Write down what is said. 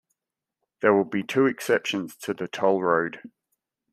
There will be two exceptions to the tollroad.